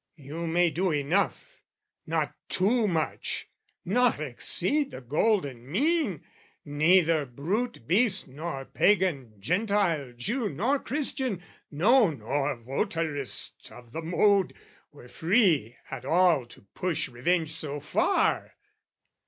You may do enough, "Not too much, not exceed the golden mean: "Neither brute beast nor Pagan, Gentile, Jew, "Nor Christian, no nor votarist of the mode, "Were free at all to push revenge so far!"